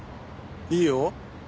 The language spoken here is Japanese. いいよ。